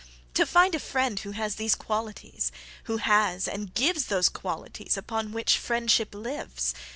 To find a friend who has these qualities, Who has, and givesThose qualities upon which friendship lives.